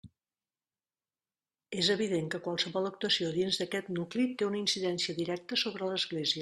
És evident que qualsevol actuació dins d'aquest nucli té una incidència directa sobre l'església.